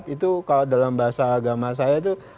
itu kalau dalam bahasa agama saya itu